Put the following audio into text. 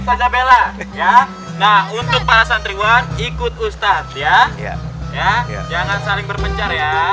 saja bella ya nah untuk para santriwan ikut ustadz ya ya jangan saling berpencar ya